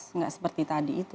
tidak seperti tadi itu